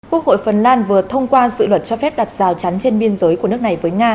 quốc hội phần lan vừa thông qua dự luật cho phép đặt rào chắn trên biên giới của nước này với nga